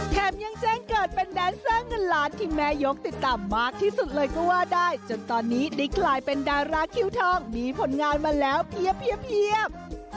ยังแจ้งเกิดเป็นแดนเซอร์เงินล้านที่แม่ยกติดตามมากที่สุดเลยก็ว่าได้จนตอนนี้ได้กลายเป็นดาราคิวทองมีผลงานมาแล้วเพียบ